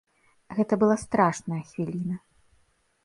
Гэта была страшная хвіліна.